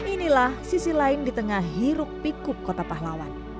inilah sisi lain di tengah hiruk pikup kota pahlawan